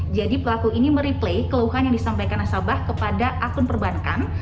jadi pelaku ini mereplay keluhan yang disampaikan nasabah kepada akun perbankan